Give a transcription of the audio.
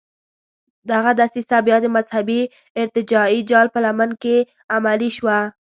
دغه دسیسه بیا د مذهبي ارتجاعي جال په لمن کې عملي شوه.